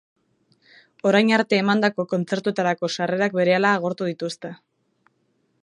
Orain arte emandako kontzertuetarako sarrerak berehala agortu dituzte.